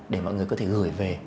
để mọi người có thể gửi về